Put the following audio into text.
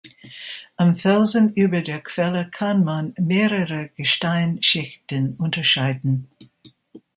Am Felsen über der Quelle kann man mehrere Gesteinsschichten unterscheiden.